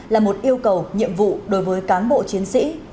là một yêu cầu nhiệm vụ đối với cán bộ chiến sĩ